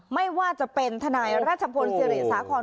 ไม่ว่าจะเป็นทนายรัชพลศิริสาคร